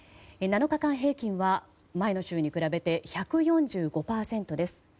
７日間平均は前の週に比べて１４５％です。